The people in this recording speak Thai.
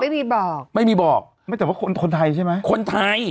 ไม่มีบอกไม่มีบอกไม่แต่ว่าคนคนไทยใช่ไหมคนไทย